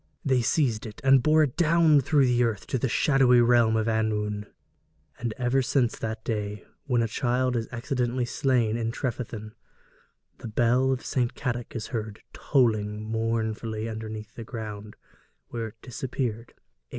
They seized it and bore it down through the earth to the shadow realm of annwn. And ever since that day, when a child is accidentally slain at Trefethin, the bell of St. Cadoc is heard tolling mournfully underneath the ground where it disappeared ages ago.